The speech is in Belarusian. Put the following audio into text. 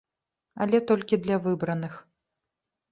Але толькі для выбраных.